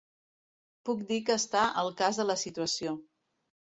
Puc dir que està al cas de la situació.